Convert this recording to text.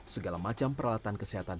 segala macam peralatan kesehatan